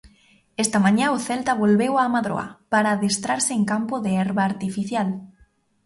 Esta mañá o Celta volveu á Madroa, para adestrarse en campo de herba artificial.